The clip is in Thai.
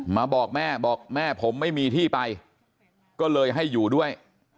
บอกแม่บอกแม่ผมไม่มีที่ไปก็เลยให้อยู่ด้วย